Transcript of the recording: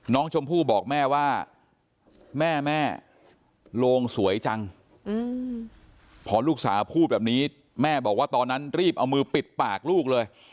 น้องชมพู่บอกแม่ว่าแม่แม่โลงสวยจังพอลูกสาวพูดแบบนี้แม่บอกว่าตอนนั้นรีบเอามือปิดปากลูกเลย